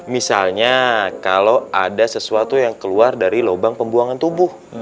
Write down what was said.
misalnya kalau ada sesuatu yang keluar dari lubang pembuangan tubuh